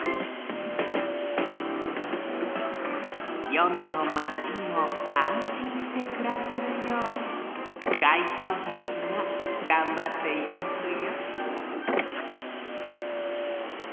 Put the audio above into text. よるのマチもあんしんしてくらせるよう街灯たちががんばっていますよ